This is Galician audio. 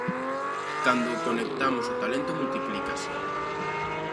Cando conectamos o talento, multiplícase.